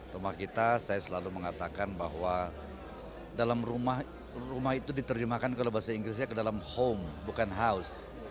rumah kita saya selalu mengatakan bahwa dalam rumah itu diterjemahkan kalau bahasa inggrisnya ke dalam home bukan house